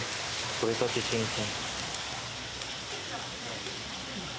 とれたて新鮮。